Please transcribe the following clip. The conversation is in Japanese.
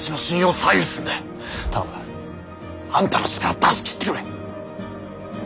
あんたの力出し切ってくれ！